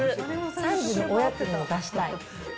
３時のおやつに出したい。